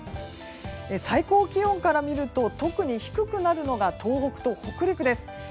最高気温から見ると特に低くなるのが東北と北陸です。